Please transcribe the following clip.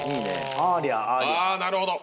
ああーなるほど！